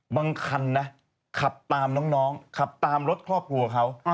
คันนะขับตามน้องขับตามรถครอบครัวเขา